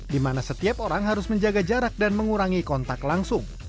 di mana setiap orang harus menjaga jarak dan mengurangi kontak langsung